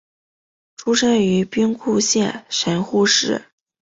出身于兵库县神户市。